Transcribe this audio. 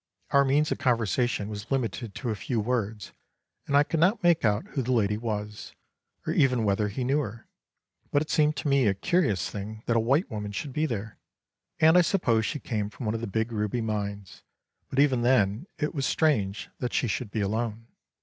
Our means of conversation was limited to a few words, and I could not make out who the lady was, or even whether he knew her; but it seemed to me a curious thing that a white woman should be there, and I supposed she came from one of the big ruby mines; but even then it was strange that she should be alone.